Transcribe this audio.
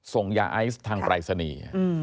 ส่งยาไอซ์ทางปรายศนีย์